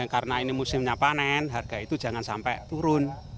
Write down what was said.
karena ini musimnya panen harga itu jangan sampai turun